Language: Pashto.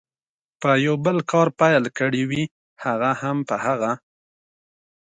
په یو بل کار پیل کړي وي، هغه هم په هغه.